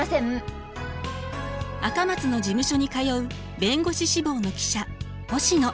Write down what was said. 赤松の事務所に通う弁護士志望の記者星野。